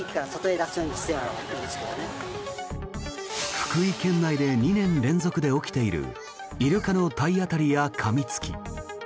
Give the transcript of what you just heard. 福井県内で２年連続で起きているイルカの体当たりやかみつき。